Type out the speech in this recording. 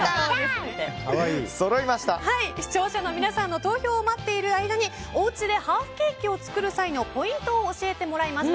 視聴者の皆さんの投票を待つ間におうちでハーフケーキを作る際のポイントを教えてもらいました。